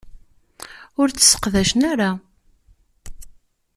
Ur t-sseqdacen ara.